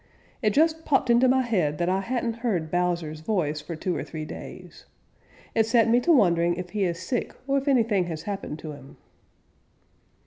"It just popped into my head that I hadn't heard Bowser's voice for two or three days. It set me to wondering if he is sick, or if anything has happened to him."